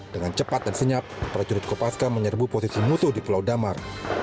dengan cepat dan senyap prajurit kopaska menyerbu posisi mutu di pulau damar